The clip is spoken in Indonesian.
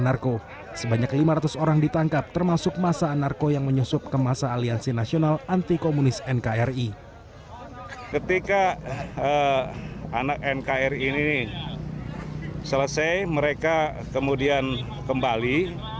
anarko sebanyak lima ratus orang ditangkap termasuk masa anarko yang menyusup ke masa aliansi nasional anti komunis nkri